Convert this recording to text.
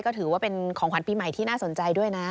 ก็ถือว่าเป็นของขวัญปีใหม่ที่น่าสนใจด้วยนะ